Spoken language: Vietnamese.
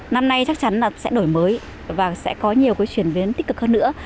năm nay chắc chắn là sẽ đổi mới và sẽ có nhiều cái chuyển biến tích cực hơn nữa